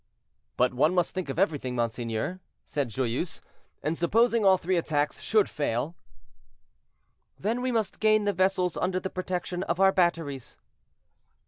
"But one must think of everything, monseigneur," said Joyeuse; "and supposing all three attacks should fail?" "Then we must gain the vessels under the protection of our batteries."